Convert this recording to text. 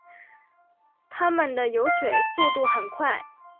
它们的游水速度很快。